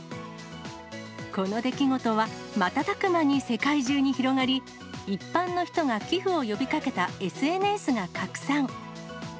この出来事は、瞬く間に世界中に広がり、一般の人が寄付を呼びかけたＳＮＳが拡散。